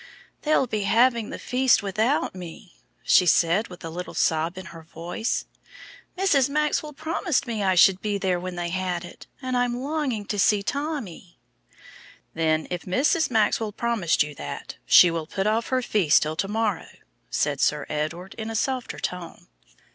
"They'll be having the feast without me," she said, with a little sob in her voice. "Mrs. Maxwell promised me I should be there when they had it, and I'm longing to see Tommy." "Then if Mrs. Maxwell promised you that, she will put off her feast till to morrow," said Sir Edward in a softer tone.